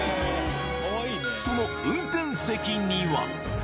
その運転席には。